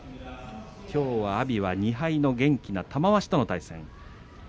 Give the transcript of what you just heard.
きょうは阿炎は、２敗の元気な玉鷲との対戦です。